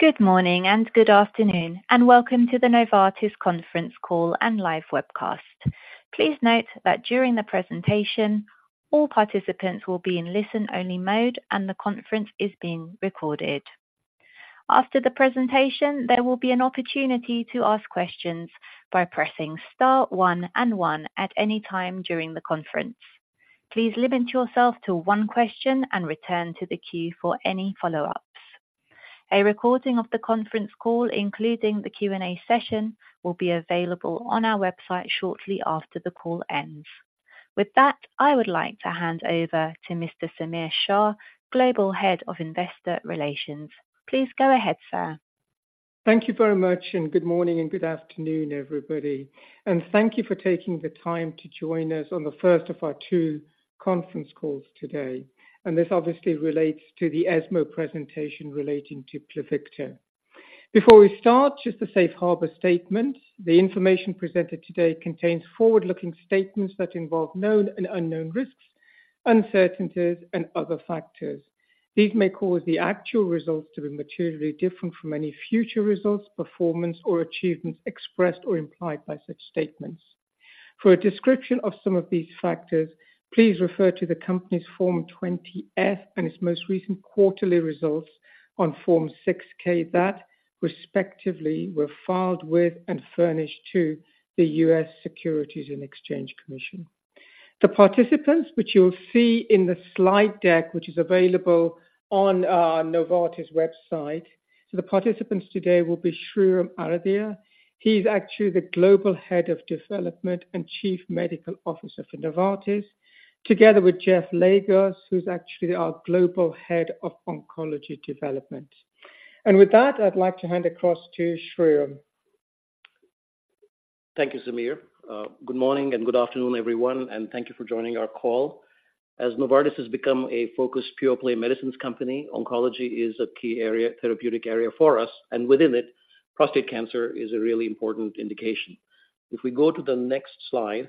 Good morning, and good afternoon, and welcome to the Novartis conference call and live webcast. Please note that during the presentation, all participants will be in listen-only mode, and the conference is being recorded. After the presentation, there will be an opportunity to ask questions by pressing star one and one at any time during the conference. Please limit yourself to one question and return to the queue for any follow-ups. A recording of the conference call, including the Q&A session, will be available on our website shortly after the call ends. With that, I would like to hand over to Mr. Samir Shah, Global Head of Investor Relations. Please go ahead, sir. Thank you very much, and good morning, and good afternoon, everybody. Thank you for taking the time to join us on the first of our two conference calls today. This obviously relates to the ESMO presentation relating to Pluvicto. Before we start, just a safe harbor statement. The information presented today contains forward-looking statements that involve known and unknown risks, uncertainties, and other factors. These may cause the actual results to be materially different from any future results, performance, or achievements expressed or implied by such statements. For a description of some of these factors, please refer to the company's Form 20-F and its most recent quarterly results on Form 6-K that respectively were filed with and furnished to the U.S. Securities and Exchange Commission. The participants, which you'll see in the slide deck, which is available on our Novartis website. So the participants today will be Shreeram Aradhye. He's actually the Global Head of Development and Chief Medical Officer for Novartis, together with Jeff Legos, who's actually our Global Head of Oncology Development. And with that, I'd like to hand across to Shreeram. Thank you, Samir. Good morning and good afternoon, everyone, and thank you for joining our call. As Novartis has become a focused, pure-play medicines company, oncology is a key area, therapeutic area for us, and within it, prostate cancer is a really important indication. If we go to the next slide...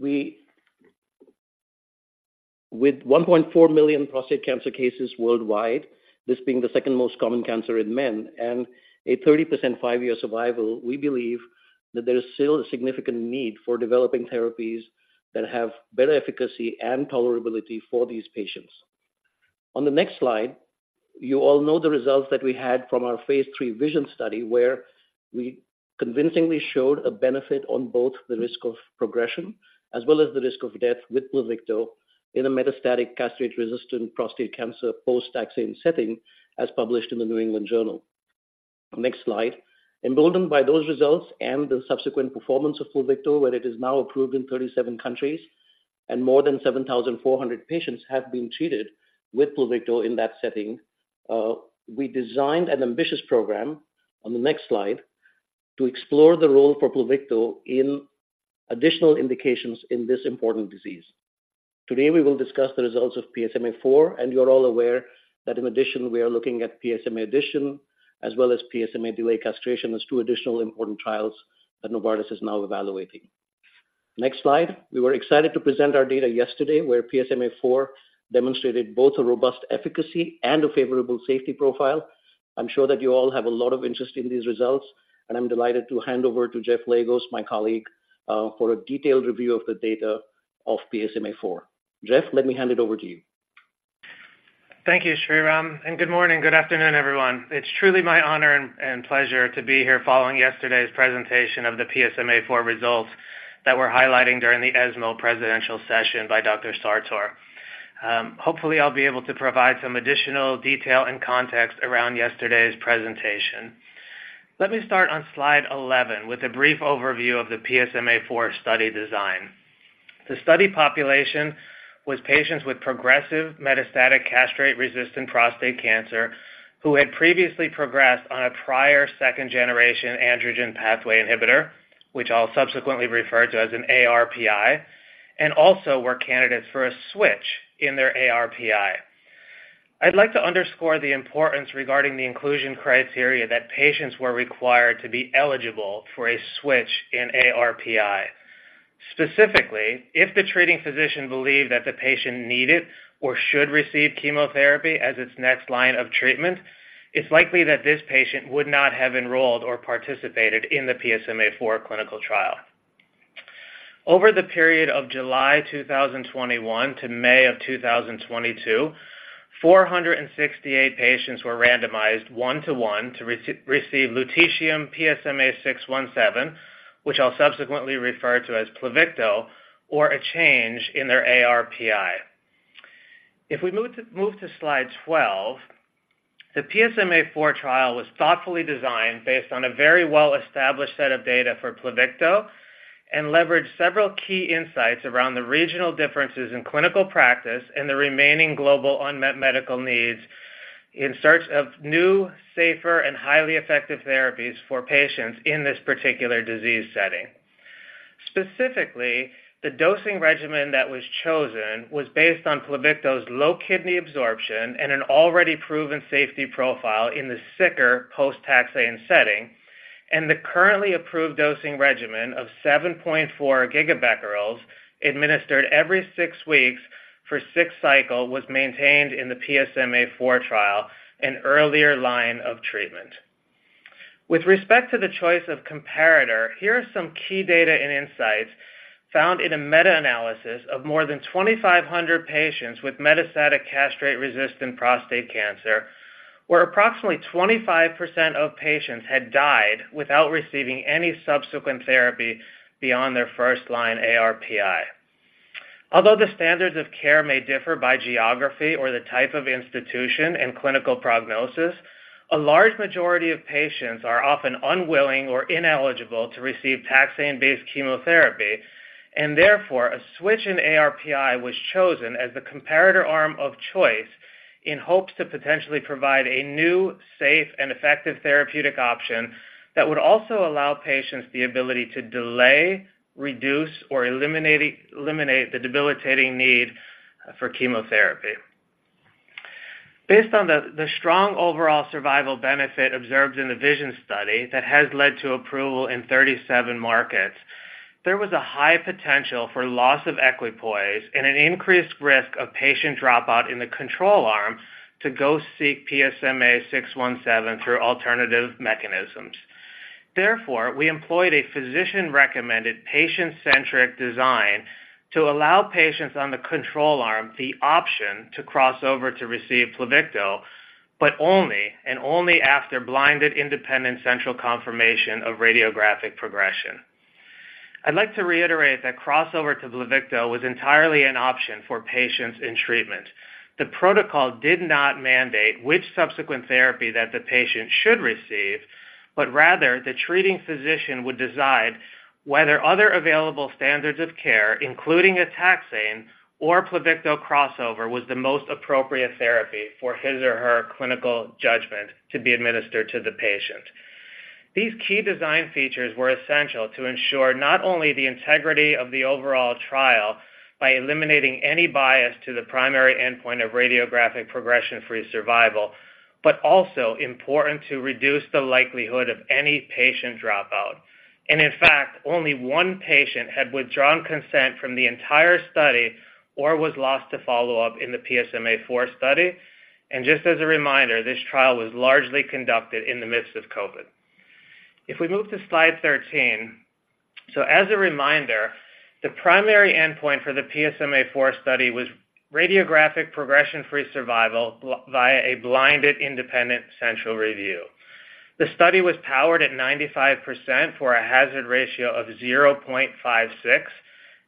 With 1.4 million prostate cancer cases worldwide, this being the second most common cancer in men and a 30% five-year survival, we believe that there is still a significant need for developing therapies that have better efficacy and tolerability for these patients. On the next slide, you all know the results that we had from our phase III VISION study, where we convincingly showed a benefit on both the risk of progression as well as the risk of death with Pluvicto in a metastatic castration-resistant prostate cancer post-taxane setting, as published in the New England Journal. Next slide. Emboldened by those results and the subsequent performance of Pluvicto, where it is now approved in 37 countries and more than 7,400 patients have been treated with Pluvicto in that setting, we designed an ambitious program, on the next slide, to explore the role for Pluvicto in additional indications in this important disease. Today, we will discuss the results of PSMAfore, and you are all aware that in addition, we are looking at PSMAddition as well as PSMA delay castration as two additional important trials that Novartis is now evaluating. Next slide. We were excited to present our data yesterday, where PSMAfore demonstrated both a robust efficacy and a favorable safety profile. I'm sure that you all have a lot of interest in these results, and I'm delighted to hand over to Jeff Legos, my colleague, for a detailed review of the data of PSMAfore. Jeff, let me hand it over to you. Thank you, Shreeram, and good morning, good afternoon, everyone. It's truly my honor and, and pleasure to be here following yesterday's presentation of the PSMAfore results that we're highlighting during the ESMO presidential session by Dr. Sartor. Hopefully, I'll be able to provide some additional detail and context around yesterday's presentation. Let me start on slide 11 with a brief overview of the PSMAfore study design. The study population was patients with progressive metastatic castrate-resistant prostate cancer, who had previously progressed on a prior second-generation androgen pathway inhibitor, which I'll subsequently refer to as an ARPI, and also were candidates for a switch in their ARPI. I'd like to underscore the importance regarding the inclusion criteria that patients were required to be eligible for a switch in ARPI. Specifically, if the treating physician believed that the patient needed or should receive chemotherapy as its next line of treatment, it's likely that this patient would not have enrolled or participated in the PSMAfore clinical trial. Over the period of July 2021 to May of 2022, 468 patients were randomized, one-to-one, to receive lutetium PSMA-617, which I'll subsequently refer to as Pluvicto, or a change in their ARPI. If we move to slide 12, the PSMAfore trial was thoughtfully designed based on a very well-established set of data for Pluvicto and leveraged several key insights around the regional differences in clinical practice and the remaining global unmet medical needs in search of new, safer, and highly effective therapies for patients in this particular disease setting. Specifically, the dosing regimen that was chosen was based on Pluvicto's low kidney absorption and an already proven safety profile in the sicker post-taxane setting, and the currently approved dosing regimen of 7.4 gigabecquerels, administered every six weeks for six cycles, was maintained in the PSMAfore trial, an earlier line of treatment. With respect to the choice of comparator, here are some key data and insights found in a meta-analysis of more than 2,500 patients with metastatic castration-resistant prostate cancer, where approximately 25% of patients had died without receiving any subsequent therapy beyond their first-line ARPI. Although the standards of care may differ by geography or the type of institution and clinical prognosis, a large majority of patients are often unwilling or ineligible to receive taxane-based chemotherapy, and therefore, a switch in ARPI was chosen as the comparator arm of choice in hopes to potentially provide a new, safe, and effective therapeutic option that would also allow patients the ability to delay, reduce, or eliminate the debilitating need for chemotherapy. Based on the strong overall survival benefit observed in the VISION study that has led to approval in 37 markets, there was a high potential for loss of equipoise and an increased risk of patient dropout in the control arm to go seek PSMA 617 through alternative mechanisms. Therefore, we employed a physician-recommended, patient-centric design to allow patients on the control arm the option to cross over to receive Pluvicto, but only, and only after blinded independent central confirmation of radiographic progression. I'd like to reiterate that crossover to Pluvicto was entirely an option for patients in treatment. The protocol did not mandate which subsequent therapy that the patient should receive, but rather, the treating physician would decide whether other available standards of care, including a taxane or Pluvicto crossover, was the most appropriate therapy for his or her clinical judgment to be administered to the patient. These key design features were essential to ensure not only the integrity of the overall trial by eliminating any bias to the primary endpoint of radiographic progression-free survival, but also important to reduce the likelihood of any patient dropout. In fact, only one patient had withdrawn consent from the entire study or was lost to follow-up in the PSMAfore study. Just as a reminder, this trial was largely conducted in the midst of COVID. If we move to slide 13. As a reminder, the primary endpoint for the PSMAfore study was radiographic progression-free survival via a blinded independent central review. The study was powered at 95% for a hazard ratio of 0.56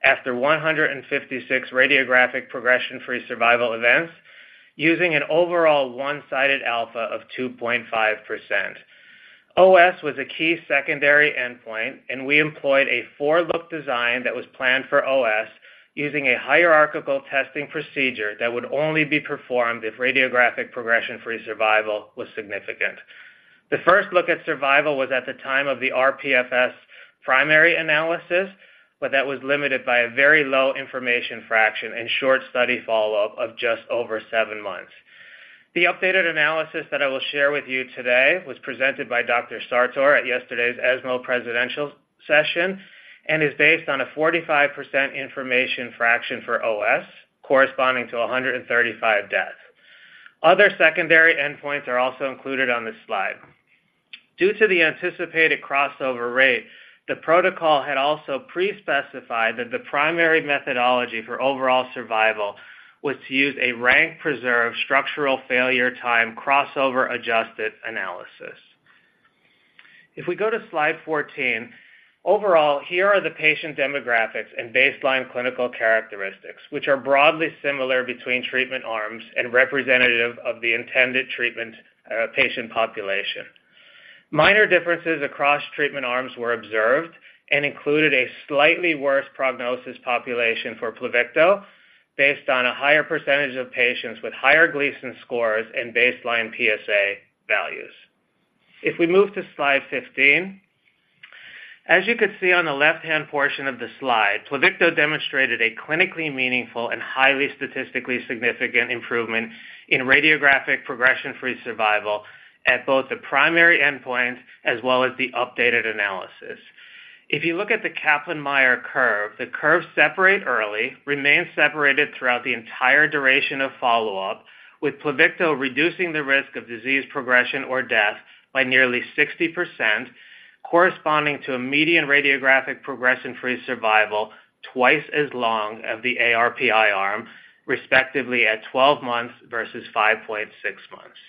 after 156 radiographic progression-free survival events, using an overall one-sided alpha of 2.5%. OS was a key secondary endpoint, and we employed a four-look design that was planned for OS, using a hierarchical testing procedure that would only be performed if radiographic progression-free survival was significant. The first look at survival was at the time of the RPFS primary analysis, but that was limited by a very low information fraction and short study follow-up of just over seven months. The updated analysis that I will share with you today was presented by Dr. Sartor at yesterday's ESMO presidential session and is based on a 45% information fraction for OS, corresponding to 135 deaths. Other secondary endpoints are also included on this slide. Due to the anticipated crossover rate, the protocol had also pre-specified that the primary methodology for overall survival was to use a rank-preserved structural failure time crossover-adjusted analysis. If we go to slide 14, overall, here are the patient demographics and baseline clinical characteristics, which are broadly similar between treatment arms and representative of the intended treatment, patient population. Minor differences across treatment arms were observed and included a slightly worse prognosis population for Pluvicto, based on a higher percentage of patients with higher Gleason scores and baseline PSA values. If we move to slide 15, as you can see on the left-hand portion of the slide, Pluvicto demonstrated a clinically meaningful and highly statistically significant improvement in radiographic progression-free survival at both the primary endpoint as well as the updated analysis. If you look at the Kaplan-Meier curve, the curves separate early, remain separated throughout the entire duration of follow-up, with Pluvicto reducing the risk of disease progression or death by nearly 60%, corresponding to a median radiographic progression-free survival, twice as long as the ARPI arm, respectively, at 12 months versus 5.6 months.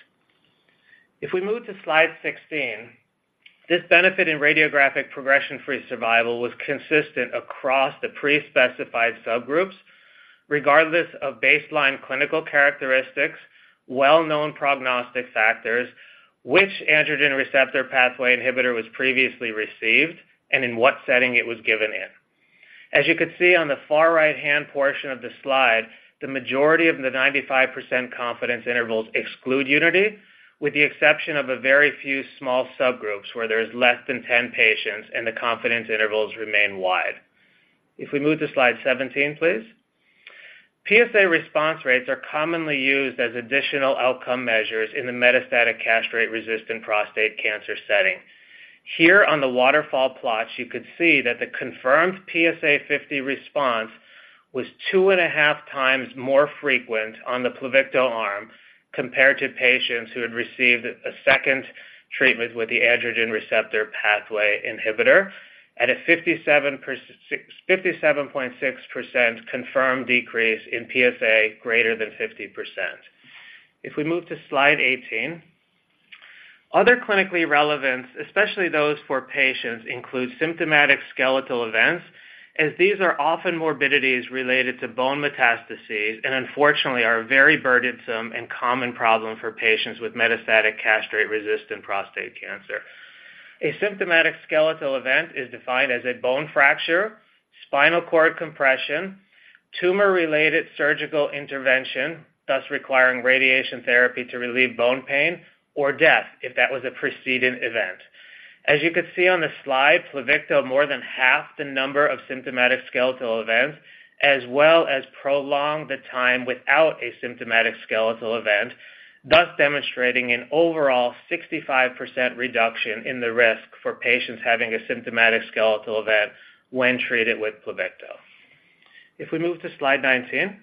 If we move to slide 16, this benefit in radiographic progression-free survival was consistent across the pre-specified subgroups, regardless of baseline clinical characteristics, well-known prognostic factors, which androgen receptor pathway inhibitor was previously received, and in what setting it was given in. As you can see on the far right-hand portion of the slide, the majority of the 95% confidence intervals exclude unity, with the exception of a very few small subgroups, where there is less than 10 patients and the confidence intervals remain wide. If we move to slide 17, please. PSA response rates are commonly used as additional outcome measures in the metastatic castration-resistant prostate cancer setting. Here on the waterfall plots, you could see that the confirmed PSA 50 response was 2.5x more frequent on the Pluvicto arm compared to patients who had received a second treatment with the androgen receptor pathway inhibitor, at a 57.6% confirmed decrease in PSA greater than 50%. If we move to slide 18, other clinical relevance, especially those for patients, include symptomatic skeletal events, as these are often morbidities related to bone metastases and unfortunately are a very burdensome and common problem for patients with metastatic castration-resistant prostate cancer. A symptomatic skeletal event is defined as a bone fracture, spinal cord compression, tumor-related surgical intervention, thus requiring radiation therapy to relieve bone pain, or death if that was a preceding event. As you can see on the slide, Pluvicto more than halved the number of symptomatic skeletal events, as well as prolonged the time without a symptomatic skeletal event, thus demonstrating an overall 65% reduction in the risk for patients having a symptomatic skeletal event when treated with Pluvicto. If we move to slide 19.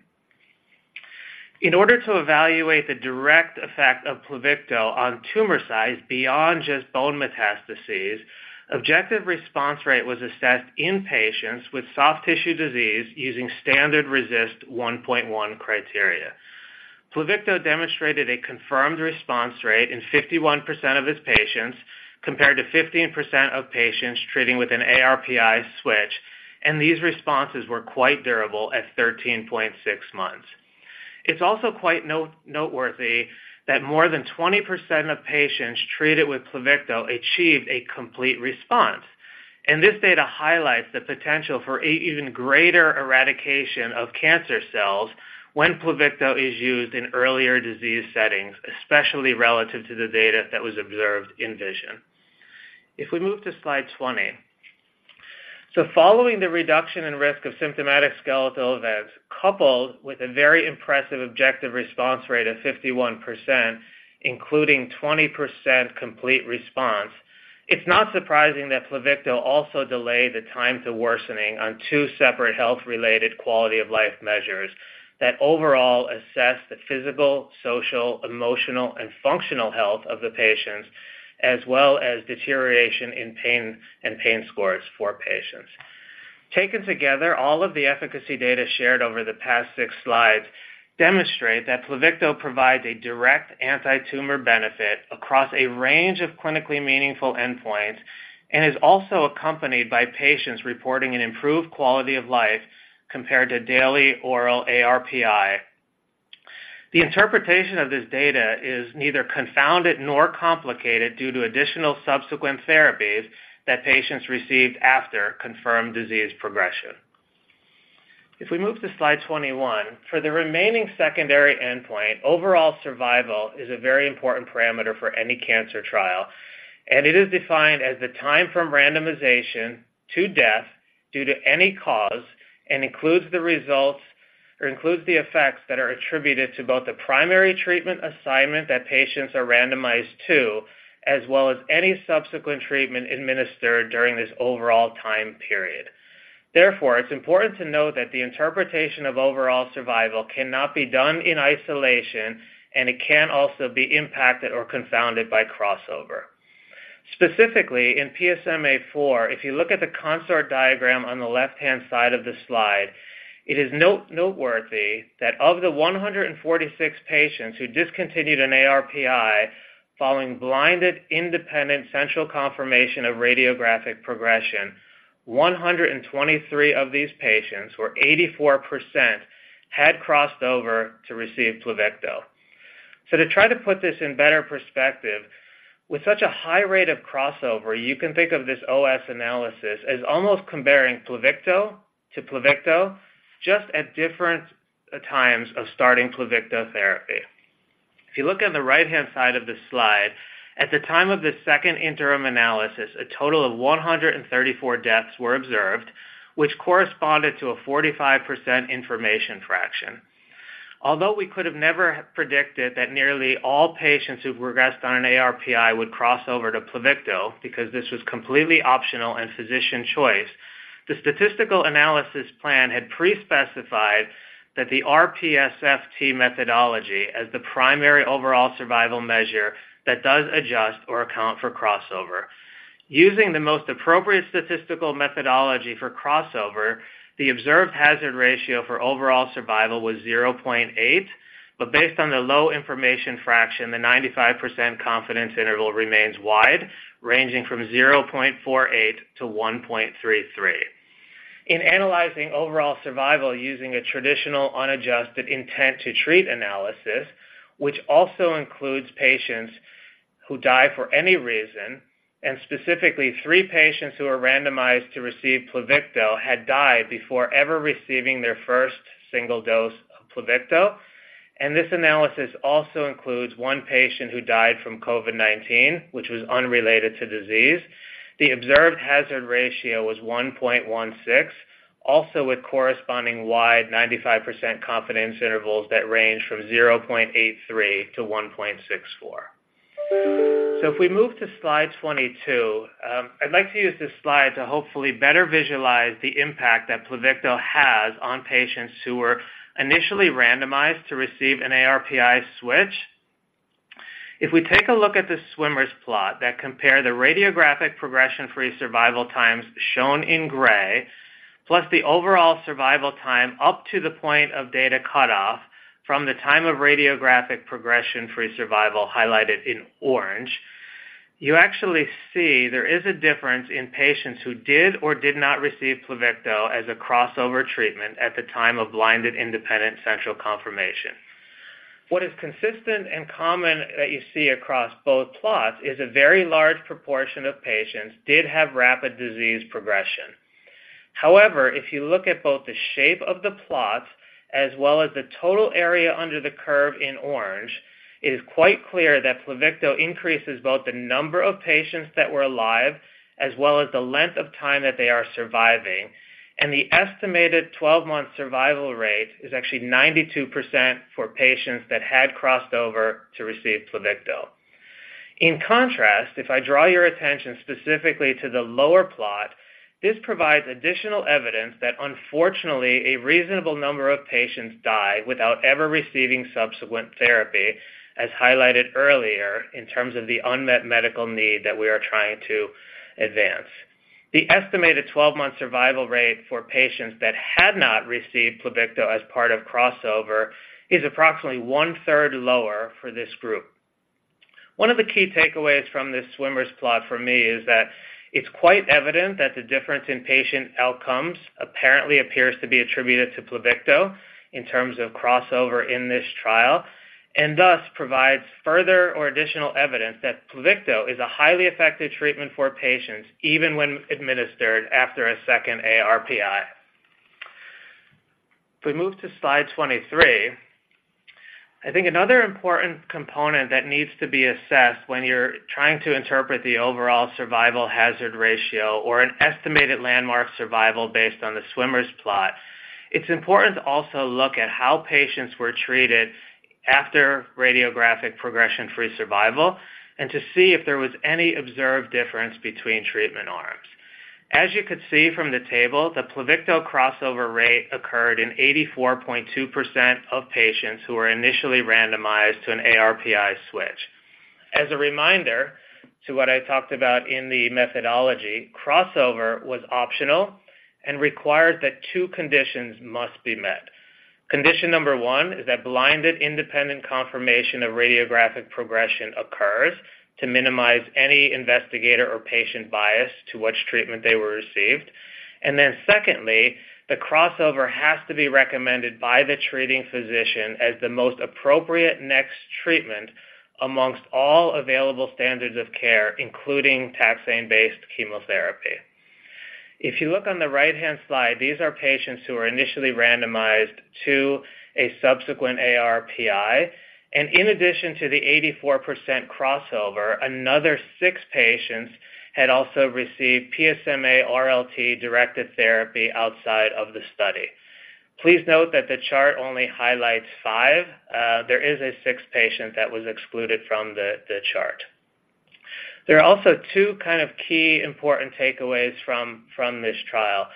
In order to evaluate the direct effect of Pluvicto on tumor size beyond just bone metastases, objective response rate was assessed in patients with soft tissue disease using standard RECIST 1.1 criteria. Pluvicto demonstrated a confirmed response rate in 51% of its patients, compared to 15% of patients treating with an ARPI switch, and these responses were quite durable at 13.6 months. It's also quite noteworthy that more than 20% of patients treated with Pluvicto achieved a complete response. This data highlights the potential for a even greater eradication of cancer cells when Pluvicto is used in earlier disease settings, especially relative to the data that was observed in VISION. If we move to slide 20. Following the reduction in risk of symptomatic skeletal events, coupled with a very impressive objective response rate of 51%, including 20% complete response, it's not surprising that Pluvicto also delayed the time to worsening on two separate health-related quality of life measures, that overall assess the physical, social, emotional, and functional health of the patients, as well as deterioration in pain and pain scores for patients. Taken together, all of the efficacy data shared over the past 6 slides demonstrate that Pluvicto provides a direct anti-tumor benefit across a range of clinically meaningful endpoints and is also accompanied by patients reporting an improved quality of life compared to daily oral ARPI. The interpretation of this data is neither confounded nor complicated due to additional subsequent therapies that patients received after confirmed disease progression. If we move to slide 21, for the remaining secondary endpoint, overall survival is a very important parameter for any cancer trial, and it is defined as the time from randomization to death due to any cause and includes the effects that are attributed to both the primary treatment assignment that patients are randomized to, as well as any subsequent treatment administered during this overall time period. Therefore, it's important to note that the interpretation of overall survival cannot be done in isolation, and it can also be impacted or confounded by crossover. Specifically, in PSMAfore, if you look at the consort diagram on the left-hand side of the slide, it is noteworthy that of the 146 patients who discontinued an ARPI following blinded independent central confirmation of radiographic progression, 123 of these patients, or 84%, had crossed over to receive Pluvicto. So to try to put this in better perspective, with such a high rate of crossover, you can think of this OS analysis as almost comparing Pluvicto to Pluvicto just at different times of starting Pluvicto therapy. If you look on the right-hand side of this slide, at the time of the second interim analysis, a total of 134 deaths were observed, which corresponded to a 45% information fraction. Although we could have never predicted that nearly all patients who progressed on an ARPI would cross over to Pluvicto, because this was completely optional and physician choice, the statistical analysis plan had pre-specified that the RPSFT methodology as the primary overall survival measure that does adjust or account for crossover. Using the most appropriate statistical methodology for crossover, the observed hazard ratio for overall survival was 0.8, but based on the low information fraction, the 95% confidence interval remains wide, ranging from 0.48-1.33. In analyzing overall survival using a traditional unadjusted intent-to-treat analysis, which also includes patients who die for any reason, and specifically three patients who were randomized to receive Pluvicto had died before ever receiving their first single dose of Pluvicto. This analysis also includes 1 patient who died from COVID-19, which was unrelated to disease. The observed hazard ratio was 1.16, also with corresponding wide 95% confidence intervals that range from 0.83-1.64. So if we move to slide 22, I'd like to use this slide to hopefully better visualize the impact that Pluvicto has on patients who were initially randomized to receive an ARPI switch. If we take a look at the swimmer's plot that compare the radiographic progression-free survival times shown in gray, plus the overall survival time up to the point of data cutoff from the time of radiographic progression-free survival highlighted in orange, you actually see there is a difference in patients who did or did not receive Pluvicto as a crossover treatment at the time of blinded independent central confirmation. What is consistent and common that you see across both plots is a very large proportion of patients did have rapid disease progression. However, if you look at both the shape of the plots as well as the total area under the curve in orange, it is quite clear that Pluvicto increases both the number of patients that were alive, as well as the length of time that they are surviving, and the estimated 12-month survival rate is actually 92% for patients that had crossed over to receive Pluvicto. In contrast, if I draw your attention specifically to the lower plot, this provides additional evidence that unfortunately, a reasonable number of patients die without ever receiving subsequent therapy, as highlighted earlier in terms of the unmet medical need that we are trying to advance. The estimated 12-month survival rate for patients that had not received Pluvicto as part of crossover is approximately one-third lower for this group. One of the key takeaways from this swimmer's plot for me is that it's quite evident that the difference in patient outcomes apparently appears to be attributed to Pluvicto in terms of crossover in this trial, and thus provides further or additional evidence that Pluvicto is a highly effective treatment for patients even when administered after a second ARPI. If we move to slide 23, I think another important component that needs to be assessed when you're trying to interpret the overall survival hazard ratio or an estimated landmark survival based on the swimmer's plot, it's important to also look at how patients were treated after radiographic progression-free survival and to see if there was any observed difference between treatment arms. As you could see from the table, the Pluvicto crossover rate occurred in 84.2% of patients who were initially randomized to an ARPI switch. As a reminder to what I talked about in the methodology, crossover was optional and required that two conditions must be met. Condition number one is that blinded independent confirmation of radiographic progression occurs to minimize any investigator or patient bias to which treatment they were received. And then secondly, the crossover has to be recommended by the treating physician as the most appropriate next treatment among all available standards of care, including taxane-based chemotherapy. If you look on the right-hand side, these are patients who are initially randomized to a subsequent ARPI, and in addition to the 84% crossover, another six patients had also received PSMA RLT-directed therapy outside of the study. Please note that the chart only highlights five. There is a sixth patient that was excluded from the chart. There are also two kind of key important takeaways from this trial.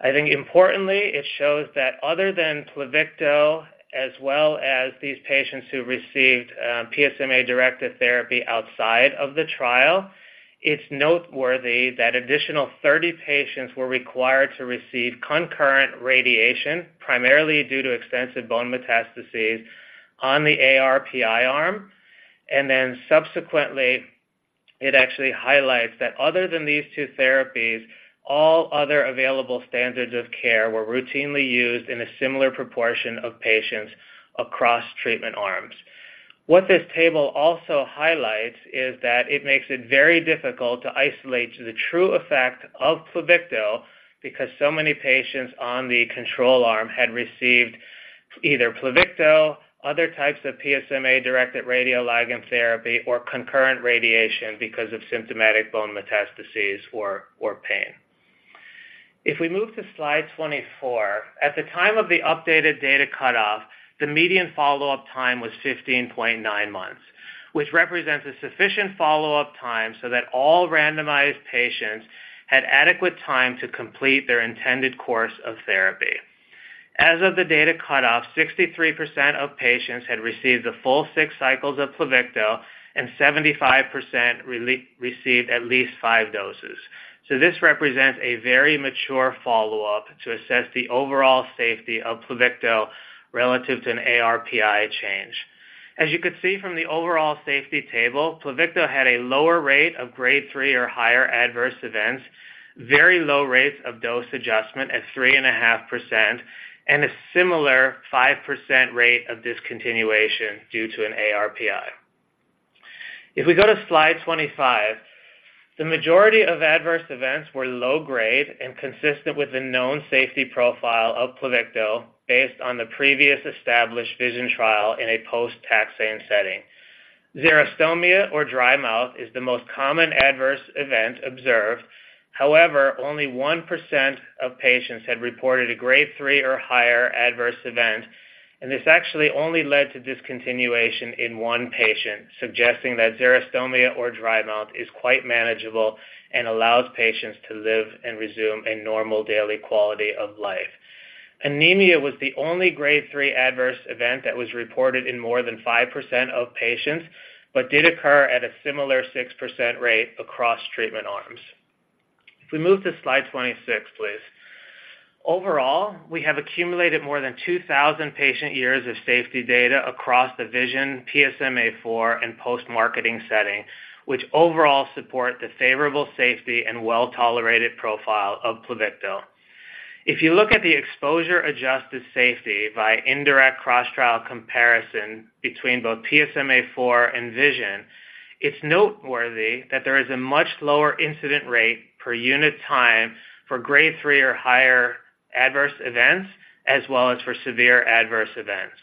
I think importantly, it shows that other than Pluvicto, as well as these patients who received PSMA-directed therapy outside of the trial, it's noteworthy that additional 30 patients were required to receive concurrent radiation, primarily due to extensive bone metastases on the ARPI arm. And then subsequently, it actually highlights that other than these two therapies, all other available standards of care were routinely used in a similar proportion of patients across treatment arms. What this table also highlights is that it makes it very difficult to isolate the true effect of Pluvicto because so many patients on the control arm had received either Pluvicto, other types of PSMA-directed radioligand therapy, or concurrent radiation because of symptomatic bone metastases or pain. If we move to slide 24, at the time of the updated data cutoff, the median follow-up time was 15.9 months, which represents a sufficient follow-up time so that all randomized patients had adequate time to complete their intended course of therapy. As of the data cutoff, 63% of patients had received the full six cycles of Pluvicto, and 75% received at least five doses. So this represents a very mature follow-up to assess the overall safety of Pluvicto relative to an ARPI change. As you can see from the overall safety table, Pluvicto had a lower rate of grade 3 or higher adverse events, very low rates of dose adjustment at 3.5%, and a similar 5% rate of discontinuation due to an ARPI. If we go to slide 25, the majority of adverse events were low grade and consistent with the known safety profile of Pluvicto, based on the previous established VISION trial in a post-taxane setting. Xerostomia or dry mouth is the most common adverse event observed. However, only 1% of patients had reported a grade 3 or higher adverse event, and this actually only led to discontinuation in one patient, suggesting that xerostomia or dry mouth is quite manageable and allows patients to live and resume a normal daily quality of life. Anemia was the only grade 3 adverse event that was reported in more than 5% of patients, but did occur at a similar 6% rate across treatment arms. If we move to slide 26, please. Overall, we have accumulated more than 2,000 patient years of safety data across the VISION, PSMAfore, and post-marketing setting, which overall support the favorable safety and well-tolerated profile of Pluvicto. If you look at the exposure-adjusted safety by indirect cross-trial comparison between both PSMAfore and VISION, it's noteworthy that there is a much lower incident rate per unit time for grade 3 or higher adverse events, as well as for severe adverse events.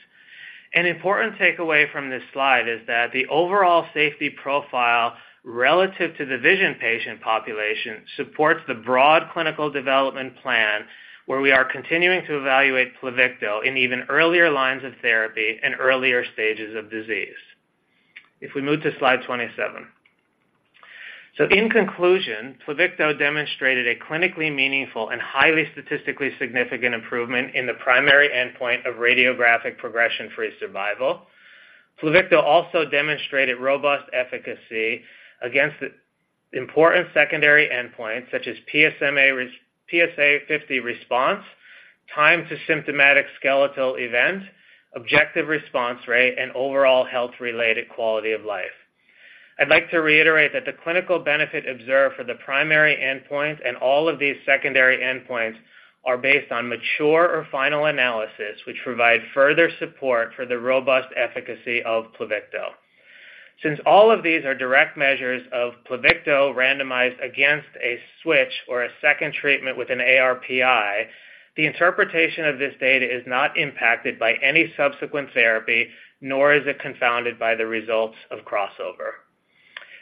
An important takeaway from this slide is that the overall safety profile relative to the VISION patient population supports the broad clinical development plan, where we are continuing to evaluate Pluvicto in even earlier lines of therapy and earlier stages of disease. If we move to slide 27. So in conclusion, Pluvicto demonstrated a clinically meaningful and highly statistically significant improvement in the primary endpoint of radiographic progression-free survival. Pluvicto also demonstrated robust efficacy against the important secondary endpoints, such as PSA 50 response, time to symptomatic skeletal event, objective response rate, and overall health-related quality of life. I'd like to reiterate that the clinical benefit observed for the primary endpoint and all of these secondary endpoints are based on mature or final analysis, which provide further support for the robust efficacy of Pluvicto. Since all of these are direct measures of Pluvicto randomized against a switch or a second treatment with an ARPI, the interpretation of this data is not impacted by any subsequent therapy, nor is it confounded by the results of crossover.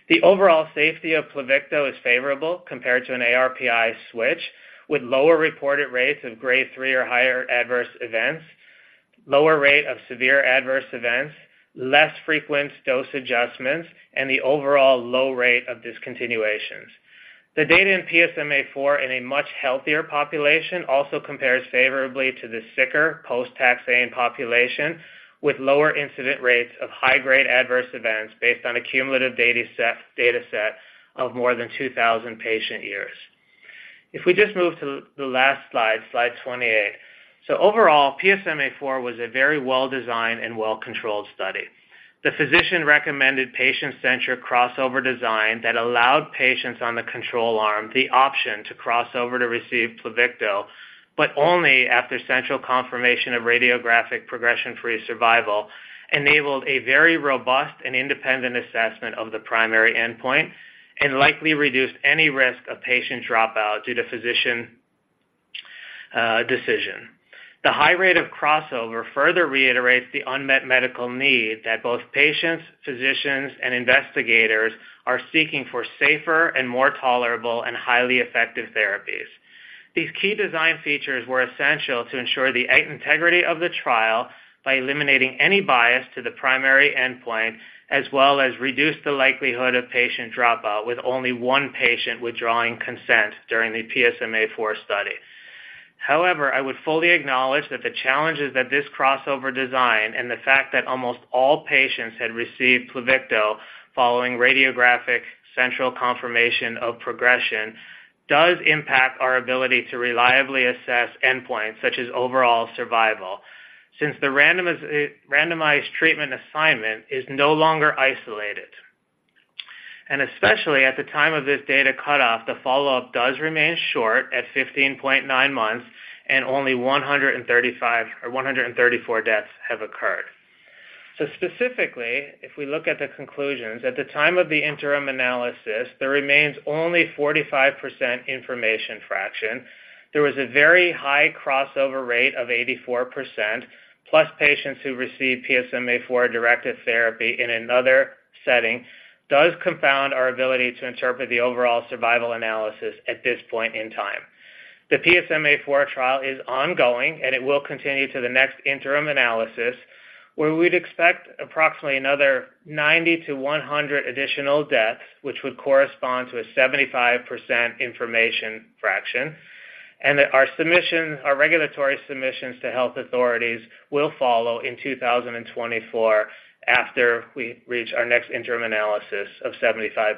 The overall safety of Pluvicto is favorable compared to an ARPI switch, with lower reported rates of grade 3 or higher adverse events, lower rate of severe adverse events, less frequent dose adjustments, and the overall low rate of discontinuations. The data in PSMAfore in a much healthier population also compares favorably to the sicker post-taxane population, with lower incident rates of high-grade adverse events based on a cumulative dataset of more than 2,000 patient years. If we just move to the last slide, slide 28. So overall, PSMAfore was a very well-designed and well-controlled study. The physician-recommended patient-centric crossover design that allowed patients on the control arm the option to cross over to receive Pluvicto, but only after central confirmation of radiographic progression-free survival, enabled a very robust and independent assessment of the primary endpoint and likely reduced any risk of patient dropout due to physician decision. The high rate of crossover further reiterates the unmet medical need that both patients, physicians, and investigators are seeking for safer and more tolerable and highly effective therapies. These key design features were essential to ensure the integrity of the trial by eliminating any bias to the primary endpoint, as well as reduce the likelihood of patient dropout, with only one patient withdrawing consent during the PSMAfore study. However, I would fully acknowledge that the challenges that this crossover design and the fact that almost all patients had received Pluvicto following radiographic central confirmation of progression, does impact our ability to reliably assess endpoints such as overall survival, since the randomized treatment assignment is no longer isolated. And especially at the time of this data cutoff, the follow-up does remain short at 15.9 months, and only 135 or 134 deaths have occurred. So specifically, if we look at the conclusions, at the time of the interim analysis, there remains only 45% information fraction. There was a very high crossover rate of 84%, plus patients who received PSMAfore-directed therapy in another setting, does confound our ability to interpret the overall survival analysis at this point in time. The PSMAfore trial is ongoing, and it will continue to the next interim analysis, where we'd expect approximately another 90-100 additional deaths, which would correspond to a 75% information fraction, and that our submissions, our regulatory submissions to health authorities will follow in 2024 after we reach our next interim analysis of 75%.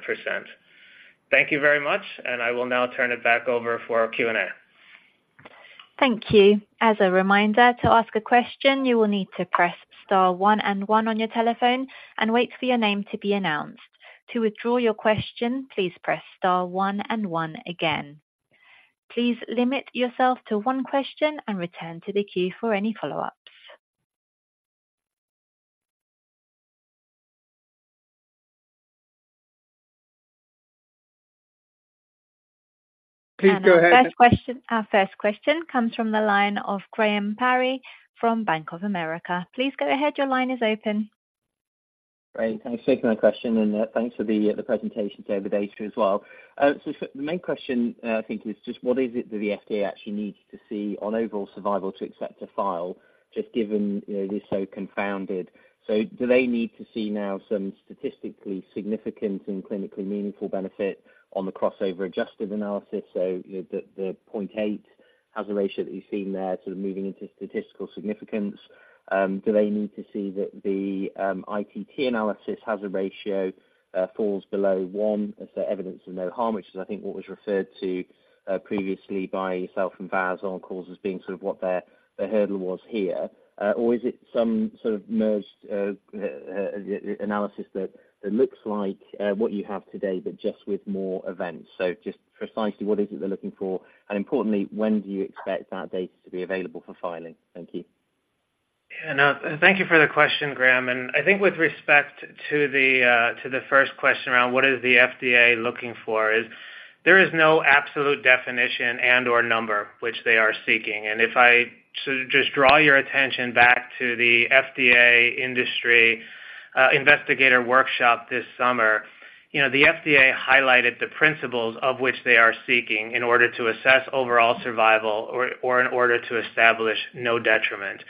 Thank you very much, and I will now turn it back over for Q&A. Thank you. As a reminder, to ask a question, you will need to press star one and one on your telephone and wait for your name to be announced. To withdraw your question, please press star one and one again. Please limit yourself to one question and return to the queue for any follow-ups. Please go ahead. Our first question comes from the line of Graham Parry from Bank of America. Please go ahead. Your line is open. Great. Thanks for taking my question, and thanks for the presentation today with Asia as well. So the main question, I think, is just what is it that the FDA actually needs to see on overall survival to accept a file, just given it is so confounded? So do they need to see now some statistically significant and clinically meaningful benefit on the crossover-adjusted analysis? So the 0.8 hazard ratio that you've seen there, sort of moving into statistical significance. Do they need to see that the ITT analysis hazard ratio falls below one, as the evidence of no harm, which is, I think, what was referred to previously by yourself and Vas on calls as being sort of what their hurdle was here? Or is it some sort of merged analysis that looks like what you have today, but just with more events? So just precisely, what is it they're looking for, and importantly, when do you expect that data to be available for filing? Thank you. Thank you for the question, Graham. I think with respect to the, to the first question around, what is the FDA looking for, there is no absolute definition and/or number which they are seeking. If I should just draw your attention back to the FDA Industry, Investigator Workshop this summer, you know, the FDA highlighted the principles of which they are seeking in order to assess overall survival or in order to establish no detriment.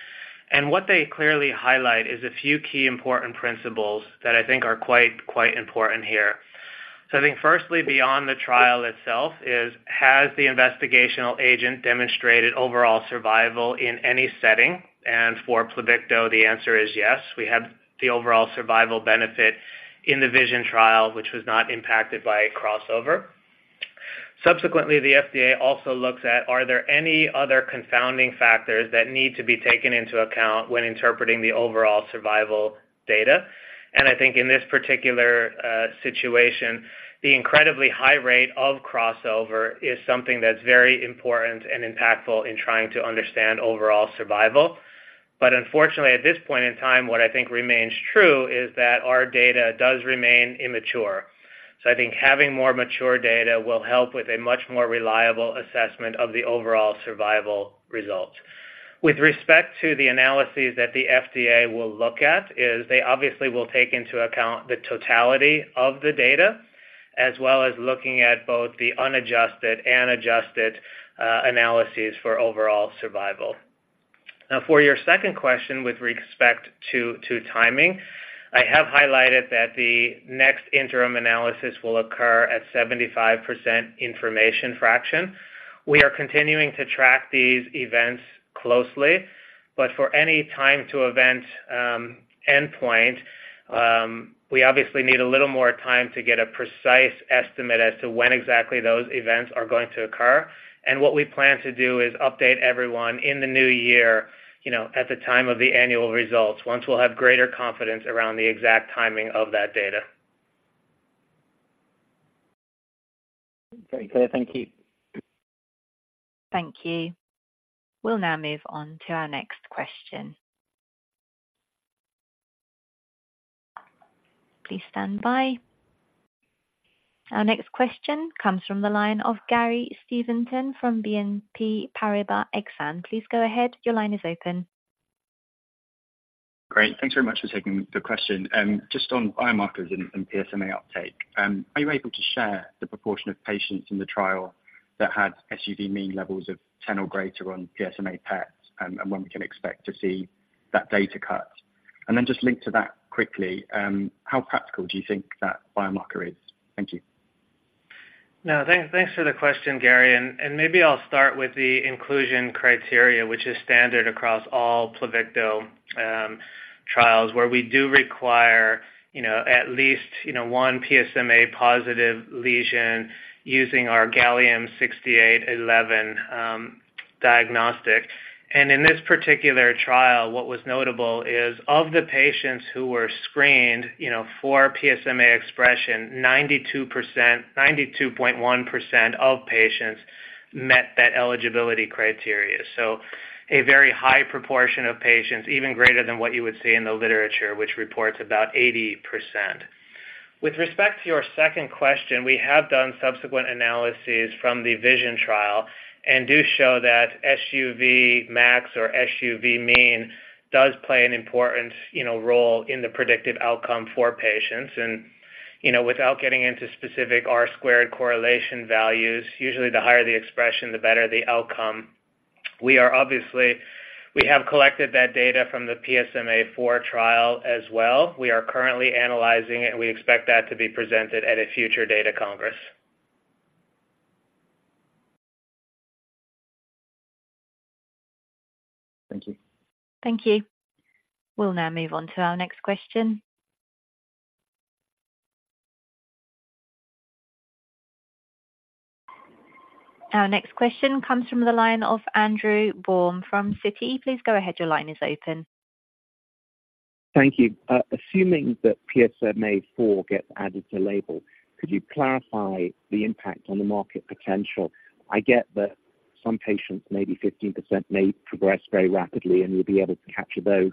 What they clearly highlight is a few key important principles that I think are quite, quite important here. I think firstly, beyond the trial itself, has the investigational agent demonstrated overall survival in any setting? For Pluvicto, the answer is yes. We had the overall survival benefit in the VISION Trial, which was not impacted by a crossover. Subsequently, the FDA also looks at, are there any other confounding factors that need to be taken into account when interpreting the overall survival data? I think in this particular situation, the incredibly high rate of crossover is something that's very important and impactful in trying to understand overall survival. But unfortunately, at this point in time, what I think remains true is that our data does remain immature. So I think having more mature data will help with a much more reliable assessment of the overall survival results. With respect to the analyses that the FDA will look at, is they obviously will take into account the totality of the data, as well as looking at both the unadjusted and adjusted analyses for overall survival. Now, for your second question, with respect to, to timing, I have highlighted that the next interim analysis will occur at 75% information fraction. We are continuing to track these events closely, but for any time to event, endpoint, we obviously need a little more time to get a precise estimate as to when exactly those events are going to occur. And what we plan to do is update everyone in the new year, you know, at the time of the annual results, once we'll have greater confidence around the exact timing of that data. Very clear. Thank you. Thank you. We'll now move on to our next question. Please stand by. Our next question comes from the line of Gary Steventon from BNP Paribas Exane. Please go ahead. Your line is open. Great. Thanks very much for taking the question. Just on biomarkers and PSMA uptake, are you able to share the proportion of patients in the trial that had SUV mean levels of 10 or greater on PSMA-PET and when we can expect to see that data cut? And then just linked to that quickly, how practical do you think that biomarker is? Thank you. Now, thanks, thanks for the question, Gary, and maybe I'll start with the inclusion criteria, which is standard across all Pluvicto trials, where we do require, you know, at least, you know, one PSMA-positive lesion using our Gallium-68 PSMA-11 diagnostic. In this particular trial, what was notable is of the patients who were screened, you know, for PSMA expression, 92.1% of patients met that eligibility criteria. A very high proportion of patients, even greater than what you would see in the literature, which reports about 80%. With respect to your second question, we have done subsequent analyses from the VISION trial and do show that SUV max or SUV mean does play an important, you know, role in the predictive outcome for patients. You know, without getting into specific or squared correlation values, usually the higher the expression, the better the outcome. We are obviously. We have collected that data from the PSMAfore trial as well. We are currently analyzing it, and we expect that to be presented at a future data congress. Thank you. Thank you. We'll now move on to our next question. Our next question comes from the line of Andrew Baum from Citi. Please go ahead, your line is open.... Thank you. Assuming that PSMAfore gets added to label, could you clarify the impact on the market potential? I get that some patients, maybe 15%, may progress very rapidly, and you'll be able to capture those,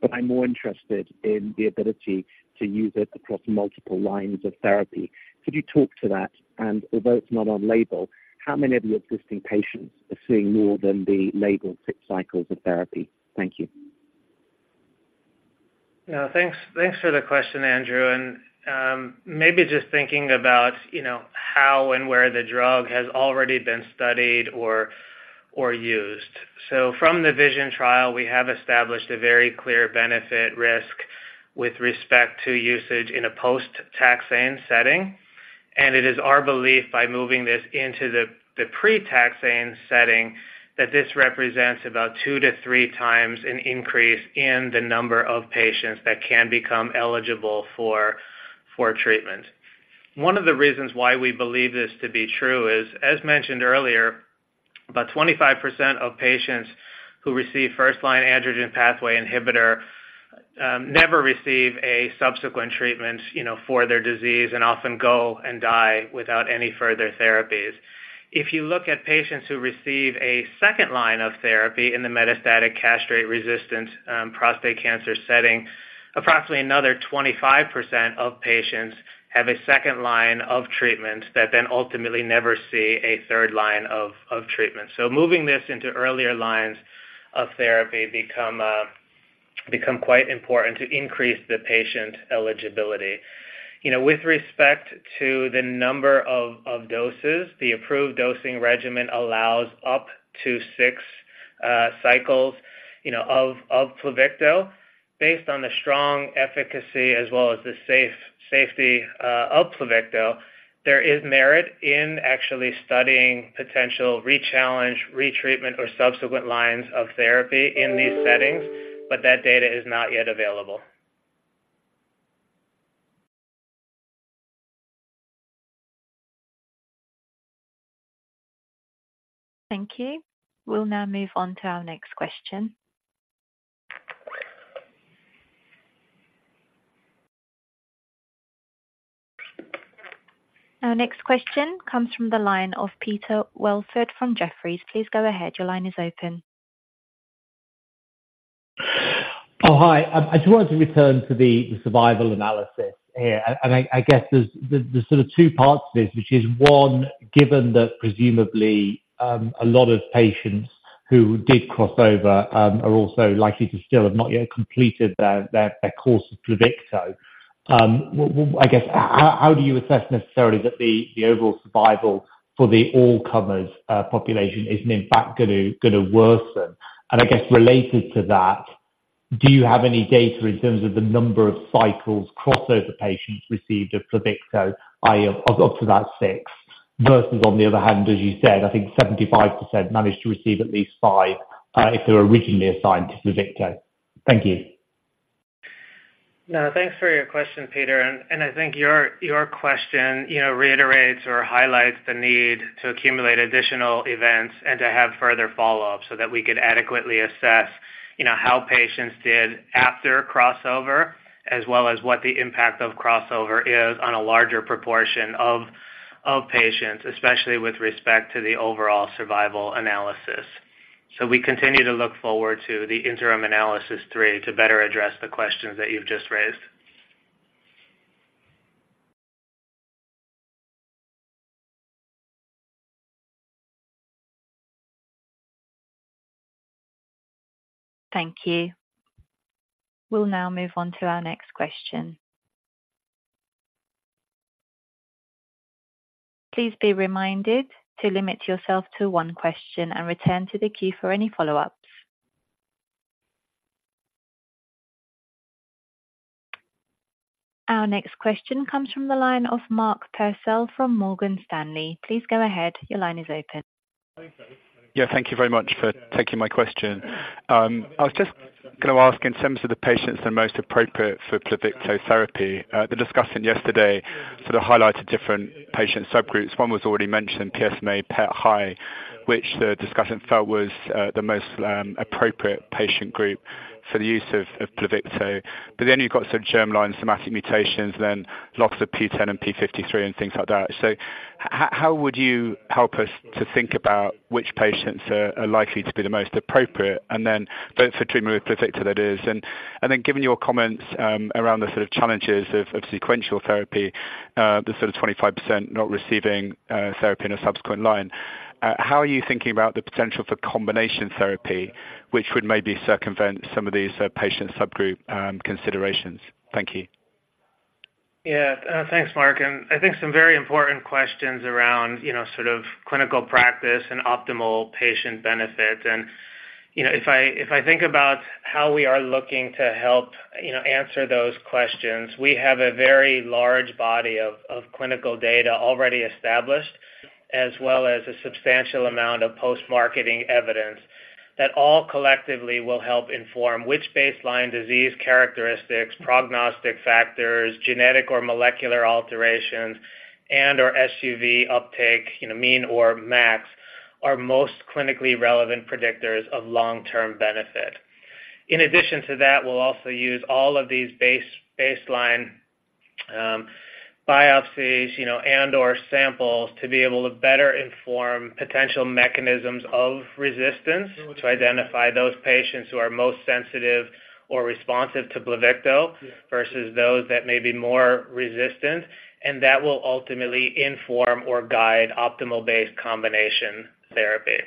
but I'm more interested in the ability to use it across multiple lines of therapy. Could you talk to that? And although it's not on label, how many of your existing patients are seeing more than the labeled six cycles of therapy? Thank you. Yeah, thanks. Thanks for the question, Andrew, and maybe just thinking about, you know, how and where the drug has already been studied or used. So from the VISION trial, we have established a very clear benefit risk with respect to usage in a post-taxane setting, and it is our belief by moving this into the pre-taxane setting, that this represents about 2x-3x an increase in the number of patients that can become eligible for treatment. One of the reasons why we believe this to be true is, as mentioned earlier, about 25% of patients who receive first-line androgen pathway inhibitor never receive a subsequent treatment, you know, for their disease and often go and die without any further therapies. If you look at patients who receive a second line of therapy in the metastatic castration-resistant prostate cancer setting, approximately another 25% of patients have a second line of treatment, that then ultimately never see a third line of, of treatment. So moving this into earlier lines of therapy become, become quite important to increase the patient eligibility. You know, with respect to the number of, of doses, the approved dosing regimen allows up to six, cycles, you know, of, of Pluvicto. Based on the strong efficacy as well as the safety of Pluvicto, there is merit in actually studying potential rechallenge, retreatment, or subsequent lines of therapy in these settings, but that data is not yet available. Thank you. We'll now move on to our next question. Our next question comes from the line of Peter Welford from Jefferies. Please go ahead. Your line is open. Oh, hi. I just wanted to return to the survival analysis here. I guess there's sort of two parts to this, which is, one, given that presumably a lot of patients who did cross over are also likely to still have not yet completed their course of Pluvicto. I guess, how do you assess necessarily that the overall survival for the all-comers population isn't, in fact, gonna worsen? I guess related to that, do you have any data in terms of the number of cycles crossover patients received of Pluvicto, i.e., of up to that six, versus on the other hand, as you said, I think 75% managed to receive at least five if they were originally assigned to Pluvicto. Thank you. No, thanks for your question, Peter, and I think your question, you know, reiterates or highlights the need to accumulate additional events and to have further follow-up so that we could adequately assess, you know, how patients did after crossover, as well as what the impact of crossover is on a larger proportion of patients, especially with respect to the overall survival analysis. We continue to look forward to the interim analysis three to better address the questions that you've just raised. Thank you. We'll now move on to our next question. Please be reminded to limit yourself to one question and return to the queue for any follow-ups. Our next question comes from the line of Mark Purcell from Morgan Stanley. Please go ahead. Your line is open. Yeah, thank you very much for taking my question. I was just gonna ask, in terms of the patients that are most appropriate for Pluvicto therapy, the discussion yesterday sort of highlighted different patient subgroups. One was already mentioned, PSMA PET high, which the discussion felt was the most appropriate patient group for the use of Pluvicto. But then you've got some germline somatic mutations, then lots of P10 and P53 and things like that. So how would you help us to think about which patients are likely to be the most appropriate, and then both for treatment with Pluvicto, that is. Given your comments around the sort of challenges of sequential therapy, the sort of 25% not receiving therapy in a subsequent line, how are you thinking about the potential for combination therapy, which would maybe circumvent some of these patient subgroup considerations? Thank you. Yeah. Thanks, Mark, and I think some very important questions around, you know, sort of clinical practice and optimal patient benefit. And, you know, if I, if I think about how we are looking to help, you know, answer those questions, we have a very large body of, of clinical data already established, as well as a substantial amount of post-marketing evidence, that all collectively will help inform which baseline disease characteristics, prognostic factors, genetic or molecular alterations, and/or SUV uptake, you know, mean or max.... are most clinically relevant predictors of long-term benefit. In addition to that, we'll also use all of these base, baseline, biopsies, you know, and/or samples to be able to better inform potential mechanisms of resistance, to identify those patients who are most sensitive or responsive to Pluvicto, versus those that may be more resistant, and that will ultimately inform or guide optimal-based combination therapy.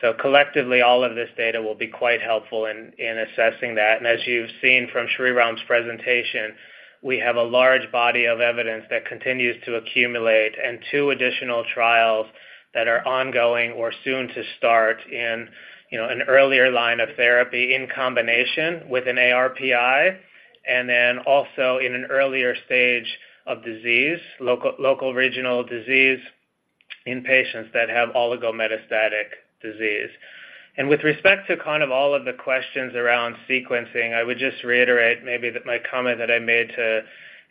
So collectively, all of this data will be quite helpful in assessing that. And as you've seen from Shreeram's presentation, we have a large body of evidence that continues to accumulate and two additional trials that are ongoing or soon to start in, you know, an earlier line of therapy in combination with an ARPI, and then also in an earlier stage of disease, local regional disease in patients that have oligometastatic disease. With respect to kind of all of the questions around sequencing, I would just reiterate maybe that my comment that I made to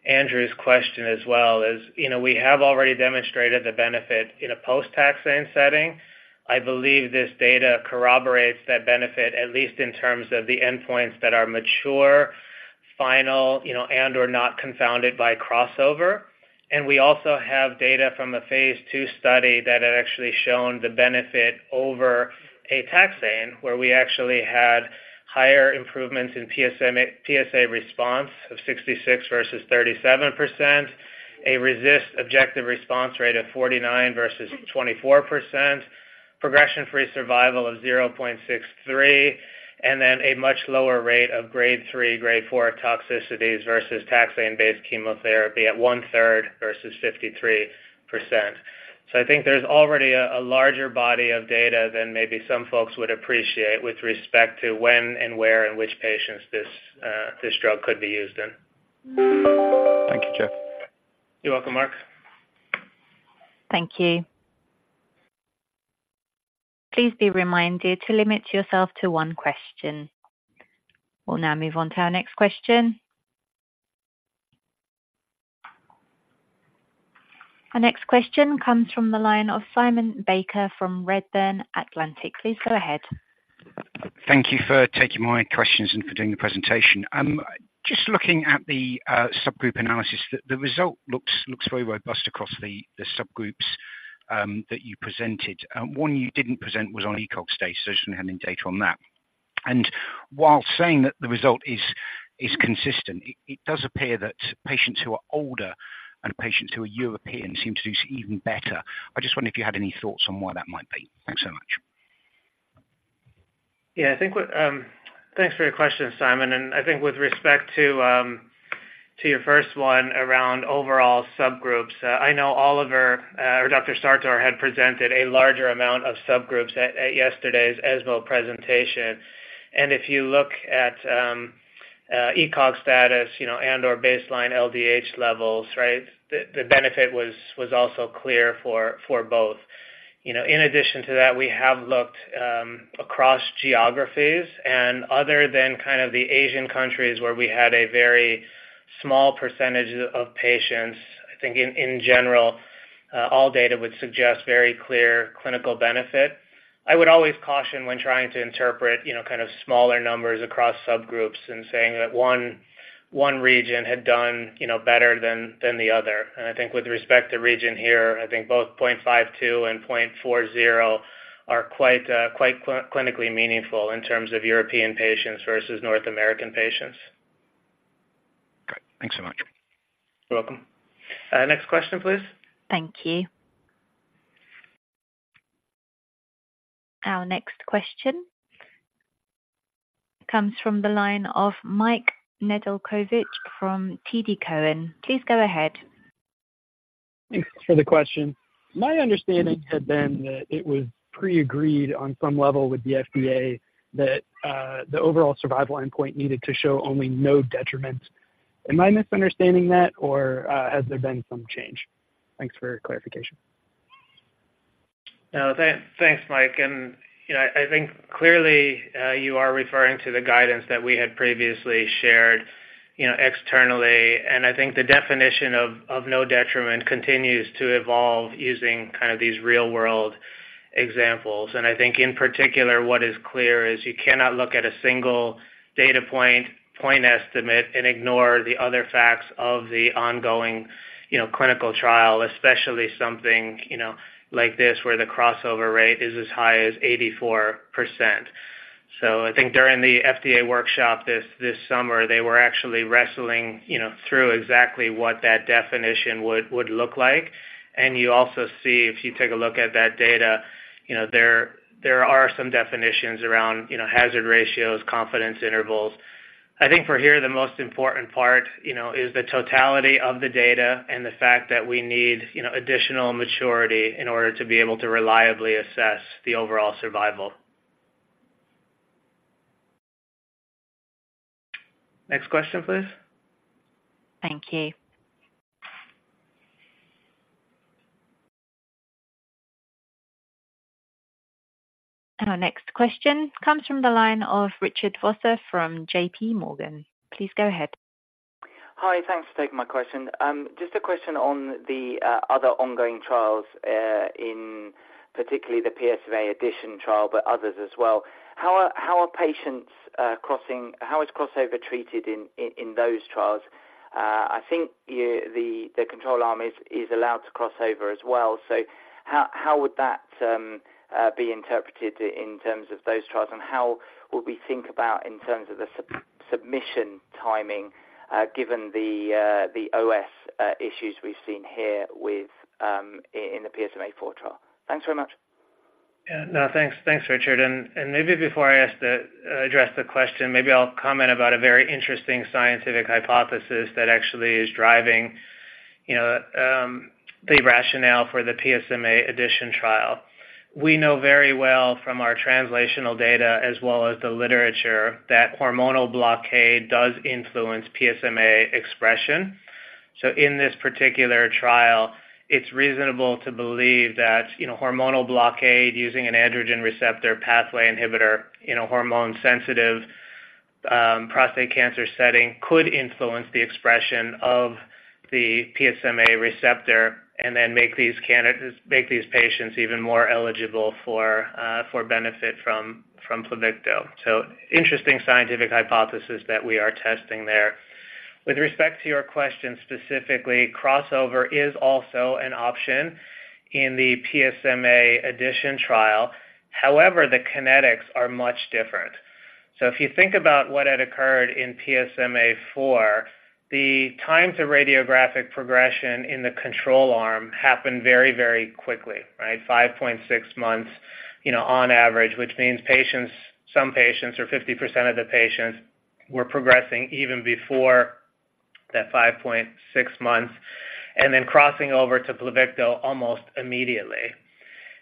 Andrew's question as well, is, you know, we have already demonstrated the benefit in a post-taxane setting. I believe this data corroborates that benefit, at least in terms of the endpoints that are mature, final, you know, and or not confounded by crossover. And we also have data from a phase II study that had actually shown the benefit over a taxane, where we actually had higher improvements in PSA response of 66% versus 37%, a RECIST objective response rate of 49% versus 24%, progression-free survival of 0.63, and then a much lower rate of grade 3, grade 4 toxicities versus taxane-based chemotherapy at 1/3 versus 53%. I think there's already a larger body of data than maybe some folks would appreciate with respect to when and where and which patients this drug could be used in. Thank you, Jeff. You're welcome, Mark. Thank you. Please be reminded to limit yourself to one question. We'll now move on to our next question. Our next question comes from the line of Simon Baker from Redburn Atlantic. Please go ahead. Thank you for taking my questions and for doing the presentation. Just looking at the subgroup analysis, the result looks very robust across the subgroups that you presented. One you didn't present was on ECOG status, so I just didn't have any data on that. And while saying that the result is consistent, it does appear that patients who are older and patients who are European seem to do even better. I just wonder if you had any thoughts on why that might be. Thanks so much. Yeah, I think... Thanks for your question, Simon, and I think with respect to your first one around overall subgroups, I know Oliver or Dr. Sartor had presented a larger amount of subgroups at yesterday's ESMO presentation. And if you look at ECOG status, you know, and or baseline LDH levels, right, the benefit was also clear for both. You know, in addition to that, we have looked across geographies, and other than kind of the Asian countries where we had a very small percentage of patients, I think in general all data would suggest very clear clinical benefit. I would always caution when trying to interpret, you know, kind of smaller numbers across subgroups and saying that one region had done, you know, better than the other. And I think with respect to region here, I think both 0.52 and 0.40 are quite, quite clinically meaningful in terms of European patients versus North American patients. Great. Thanks so much. You're welcome. Next question, please. Thank you. Our next question comes from the line of Mike Nedelcovych from TD Cowen. Please go ahead. Thanks for the question. My understanding had been that it was pre-agreed on some level with the FDA that, the overall survival endpoint needed to show only no detriment. Am I misunderstanding that, or, has there been some change? Thanks for your clarification. No, thanks, Mike. And, you know, I think clearly you are referring to the guidance that we had previously shared, you know, externally, and I think the definition of no detriment continues to evolve using kind of these real-world examples. And I think in particular, what is clear is you cannot look at a single data point, point estimate and ignore the other facts of the ongoing, you know, clinical trial, especially something, you know, like this, where the crossover rate is as high as 84%. So I think during the FDA workshop this summer, they were actually wrestling, you know, through exactly what that definition would look like. And you also see, if you take a look at that data, you know, there are some definitions around, you know, hazard ratios, confidence intervals. I think from here, the most important part, you know, is the totality of the data and the fact that we need, you know, additional maturity in order to be able to reliably assess the overall survival. Next question, please? Thank you. And our next question comes from the line of Richard Vosser from JPMorgan. Please go ahead.... Hi, thanks for taking my question. Just a question on the other ongoing trials in particular the PSMAddition trial, but others as well. How are patients crossing—how is crossover treated in those trials? I think the control arm is allowed to cross over as well. So how would that be interpreted in terms of those trials? And how would we think about the submission timing, given the OS issues we've seen here within the PSMAfore trial? Thanks very much. Yeah. No, thanks, thanks, Richard. And maybe before I address the question, maybe I'll comment about a very interesting scientific hypothesis that actually is driving, you know, the rationale for the PSMAddition trial. We know very well from our translational data, as well as the literature, that hormonal blockade does influence PSMA expression. So in this particular trial, it's reasonable to believe that, you know, hormonal blockade using an androgen receptor pathway inhibitor in a hormone-sensitive prostate cancer setting, could influence the expression of the PSMA receptor and then make these candidates, make these patients even more eligible for, for benefit from, from Pluvicto. So interesting scientific hypothesis that we are testing there. With respect to your question, specifically, crossover is also an option in the PSMAddition trial. However, the kinetics are much different. So if you think about what had occurred in PSMAfore, the times of radiographic progression in the control arm happened very, very quickly, right? 5.6 months, you know, on average, which means patients, some patients or 50% of the patients were progressing even before that 5.6 months, and then crossing over to Pluvicto almost immediately.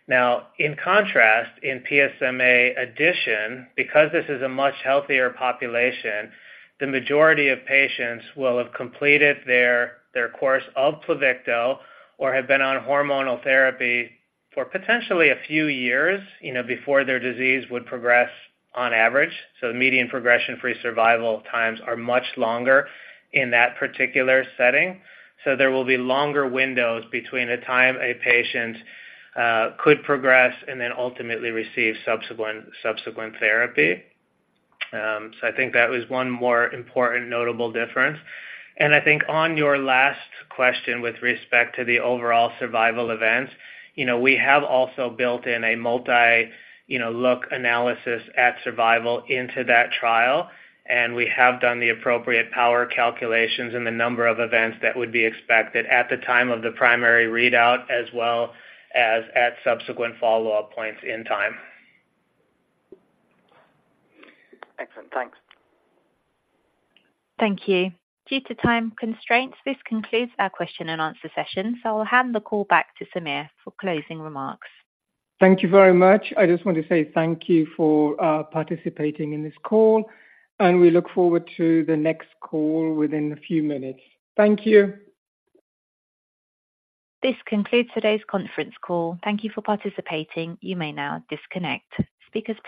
Now, in contrast, in PSMAddition, because this is a much healthier population, the majority of patients will have completed their, their course of Pluvicto or have been on hormonal therapy for potentially a few years, you know, before their disease would progress on average. So the median progression-free survival times are much longer in that particular setting. So there will be longer windows between the time a patient could progress and then ultimately receive subsequent, subsequent therapy. So I think that was one more important notable difference. And I think on your last question with respect to the overall survival events, you know, we have also built in a multi, you know, look analysis at survival into that trial, and we have done the appropriate power calculations in the number of events that would be expected at the time of the primary readout as well as at subsequent follow-up points in time. Excellent. Thanks. Thank you. Due to time constraints, this concludes our Q&A session. I'll hand the call back to Samir for closing remarks. Thank you very much. I just want to say thank you for participating in this call, and we look forward to the next call within a few minutes. Thank you. This concludes today's conference call. Thank you for participating. You may now disconnect. Speakers please-